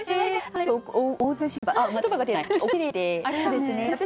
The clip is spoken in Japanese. そうですね。